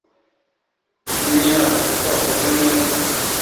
niwirata kuko wakoze neza